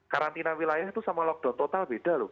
karantina wilayah itu sama lockdown total beda loh